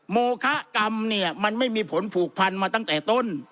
โมคะกรรมเนี่ยมันไม่มีผลผูกพันมาตั้งแต่ต้น